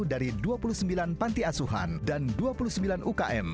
satu dari dua puluh sembilan panti asuhan dan dua puluh sembilan ukm